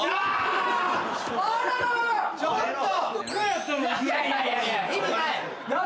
ちょっと！